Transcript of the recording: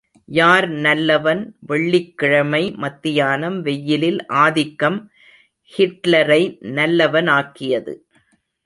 யார் நல்லவன் வெள்ளிக்கிழமை மத்தியானம் வெயிலின் ஆதிக்கம் ஹிட்லரை நல்லவனாக்கியது.